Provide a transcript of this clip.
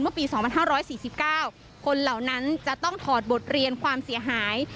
ปี๒๕๔๙คนเหล่านั้นจะต้องถอดบทเรียนความเสียหาย